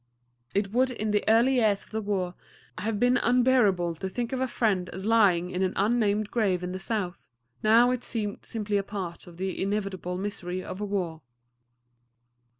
It would in the early years of the war have been unbearable to think of a friend as lying in an unnamed grave in the South; now it seemed simply a part of the inevitable misery of war.